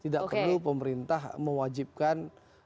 tidak perlu pemerintah mewajibkan